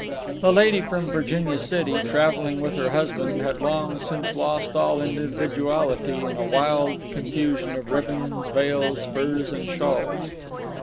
The lady from Virginia City, traveling with her husband, had long since lost all individuality in a wild confusion of ribbons, veils, furs, and shawls.